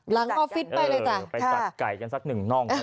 หลังออฟฟิศไปเลยจ้ะไปตัดไก่กันสักหนึ่งน่องกันกัน